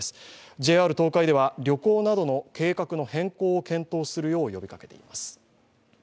ＪＲ東海では旅行などの計画の変更を検討するよう呼びかけています。